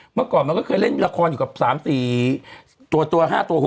เมื่อก่อนมันก็เคยเล่นละครอยู่กับ๓๔ตัว๕ตัว